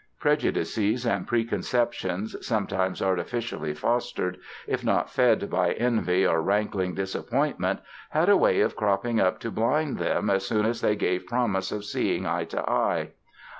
Prejudices and preconceptions, sometimes artificially fostered, if not fed by envy or rankling disappointment had a way of cropping up to blind them as soon as they gave promise of seeing eye to eye.